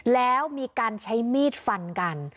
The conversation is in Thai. แล้วมีการใช้มีดฟันกัน